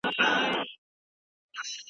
علماوو تل د سولي او ورورولۍ بلنه ورکړي ده.